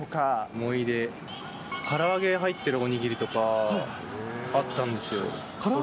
思い出、から揚げ入ってるお握りとかあったんですよ。